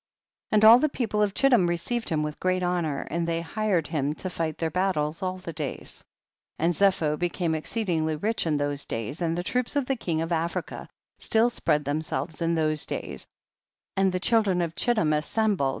13. And all the people of Chittim received him with great honor, and they hired him to fight their battles all the days, and Zepho became ex ceedingly rich in those days, and the troops of the king of Africa still spread themselves in those days, and the children of Chittim assembled 196 THE BOOK OF JASHER.